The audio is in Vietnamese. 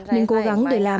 mình cố gắng để làm